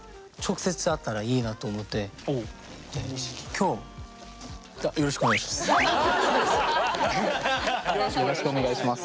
きょうよろしくお願いします。